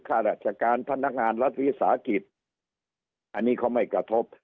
ข้าราชการพนักงานรัฐวิสาหกิจอันนี้เขาไม่กระทบ